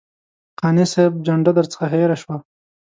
قانع صاحب جنډه درڅخه هېره شوه.